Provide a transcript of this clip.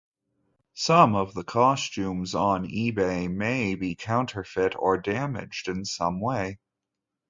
Some of the costumes on eBay may be counterfeit or damaged in some way.